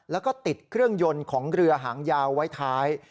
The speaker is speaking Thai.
แล้วก็ติดเครื่องยนต์ของเรือหางยาวไว้ท้าย